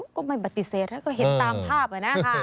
ก็ไม่บัติเสริระก็เห็นตามภาพแล้วนะคะ